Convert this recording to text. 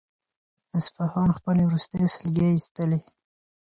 اصفهان خپلې وروستۍ سلګۍ ایستلې.